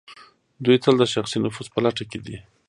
دوی تل د شخصي نفوذ په لټه کې دي.